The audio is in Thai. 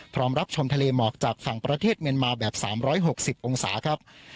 รับชมทะเลหมอกจากฝั่งประเทศเมียนมาแบบ๓๖๐องศาครับ